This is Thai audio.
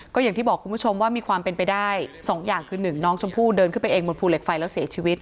ก็อย่างที่บอกคุณผู้ชมว่ามีความเป็นไปได้๒อย่างคือหนึ่งน้องชมพู่เดินขึ้นไปเองบนภูเหล็กไฟแล้วเสียชีวิต